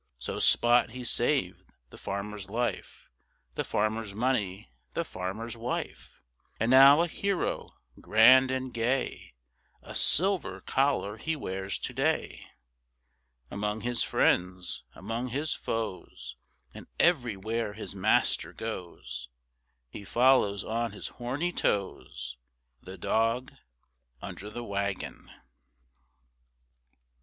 So Spot he saved the farmer's life, The farmer's money, the farmer's wife, And now a hero grand and gay, A silver collar he wears today; Among his friends, among his foes And everywhere his master goes He follows on his horny toes, The dog under the wagon.